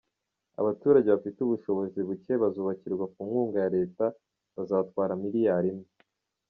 Abaturage bafite ubushobozi bucye bazubakirwa ku nkunga ya Leta bazatwara miliyari imwe.